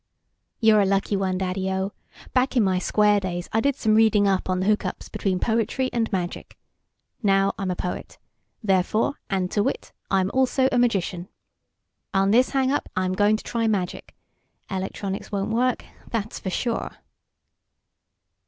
"You're a lucky one, Daddyo. Back in my square days, I did some reading up on the hookups between poetry and magic. Now, I'm a poet. Therefore, and to wit, I'm also a magician. On this hangup, I'm going to try magic. Electronics won't work, that's for sure."